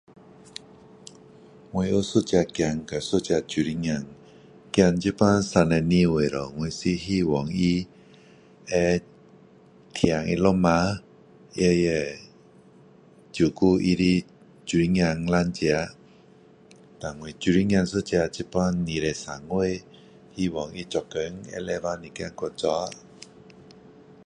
我有一个儿子和一个女儿儿子现在32岁了我是希望他会疼他老婆也会照顾他的女儿两个胆我的女儿一个现在23岁希望他做工会努力一点去做